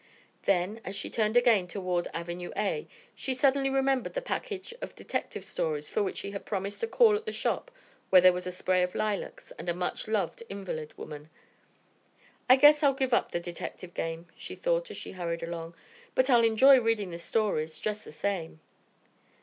Then, as she turned again toward Avenue A, she suddenly remembered the package of detective stories for which she had promised to call at the shop where there was a spray of lilacs and a much loved invalid woman. "I guess I'll give up the detective game," she thought, as she hurried along, "but I'll enjoy reading the stories just the same."